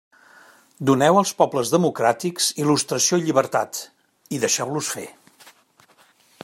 Doneu als pobles democràtics il·lustració i llibertat, i deixeu-los fer.